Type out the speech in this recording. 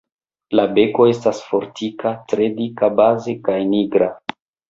La beko estas fortika, tre dika baze kaj nigra.